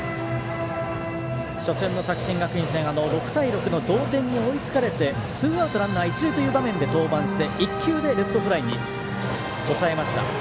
初戦の作新学院戦６対６の同点に追いつかれてツーアウトランナー、一塁という場面で登板して１球でレフトフライに抑えました。